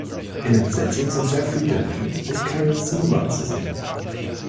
In der Besetzung sind Jeffry Denman und Karen Ziemba zu sehen.